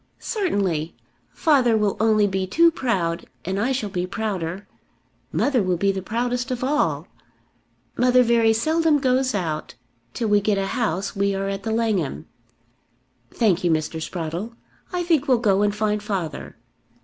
"Certainly. Father will only be too proud, and I shall be prouder. Mother will be the proudest of all. Mother very seldom goes out. Till we get a house we are at The Langham. Thank you, Mr. Sprottle. I think we'll go and find father."